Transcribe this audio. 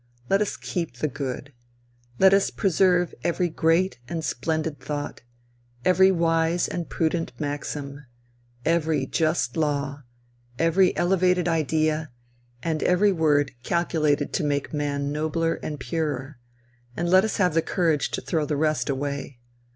Let us keep the good. Let us preserve every great and splendid thought, every wise and prudent maxim, every just law, every elevated idea, and every word calculated to make man nobler and purer, and let us have the courage to throw the rest away.